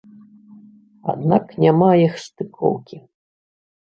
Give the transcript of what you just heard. Аднак няма іх стыкоўкі.